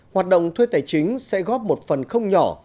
hoạt động thuê tài chính sẽ góp một phần không nhỏ